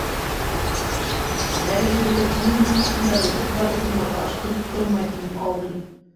— Кешеләр өйөрө джунгли хаҡындағы юҡ-барҙы тыңларға ашҡынып тормай, — тине Маугли.